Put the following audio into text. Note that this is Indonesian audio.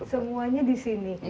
semuanya di sini